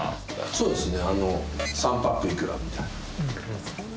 そうですね。